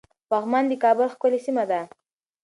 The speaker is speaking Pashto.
پغمان د کابل ښکلی سيمه ده